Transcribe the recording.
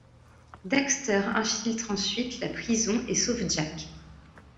Daxter infiltre ensuite la Prison et sauve Jak.